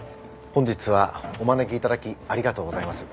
本日はお招きいただきありがとうございます。